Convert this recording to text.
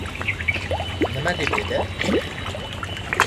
— Nima deb edi?